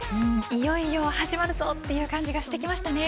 いよいよ始まるという感じがしてきましたね。